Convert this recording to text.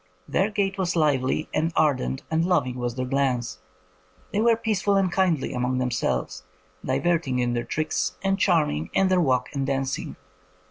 Their gait was lively, and ardent and loving was their glance. ... They were peaceful and kindly among them selves, diverting in their tricks, and charm ing in their walk and dancing.